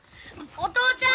お父ちゃん！